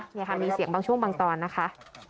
นี่ค่ะมีเสียงบางช่วงบางตอนนะคะ